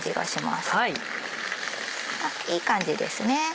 いい感じですね。